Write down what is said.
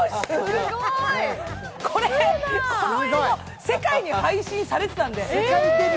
これ、この映像、世界に配信されてたんで。